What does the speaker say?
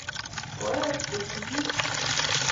koet kosigis.